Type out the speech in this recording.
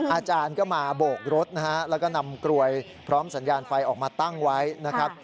อาจารย์ก็มาโบกรถนะฮะแล้วก็นำกลวยพร้อมสัญญาณไฟออกมาตั้งไว้นะครับ